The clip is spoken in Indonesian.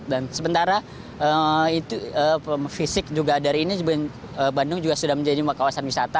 dan sementara fisik dari ini bandung juga sudah menjadi kawasan wisata